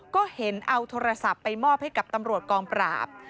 ก็เห็นเอาโทรศัพท์ไปมอบให้กับตำรวจกองปราบ